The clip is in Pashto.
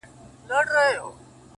ما د مرگ ورځ به هم هغه ورځ وي؛